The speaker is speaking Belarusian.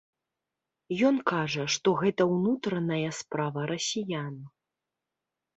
Ён кажа, што гэта ўнутраная справа расіян.